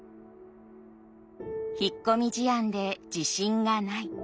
引っ込み思案で自信がない。